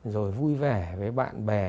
rồi vui vẻ với bạn bè